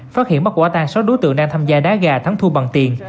phát hiện mất quả tang số đối tượng đang tham gia đá gà thắng thua bằng tiền